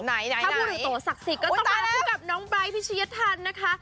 ถ้าพูดถึงโตศักดิ์สิทธิ์ก็ต้องมาคู่กับน้องไบร์ทพิชยธรรมนะคะ